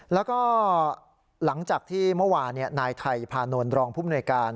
แล้วก็หลังจากที่เมื่อวานนายไทยพานนท์รองภูมิหน่วยการ